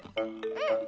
うん！